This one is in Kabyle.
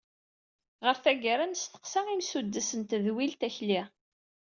Ɣer taggara, nesteqsa imsuddes n tedwilt Akli.